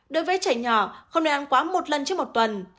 đối với trẻ nhỏ không nên ăn quá một lần trước một tuần